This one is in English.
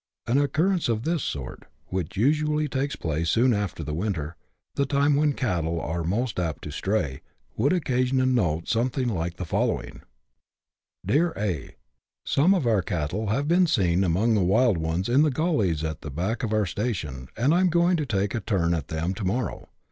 An occurrence of this sort, which usually takes place soon after the winter, the time when cattle are most apt to stray, would occasion a note something like the following :— Dear , Some of our cattle have been seen among the wild ones in the gullies at the back of our station, and I am going to take a turn at them to morrow.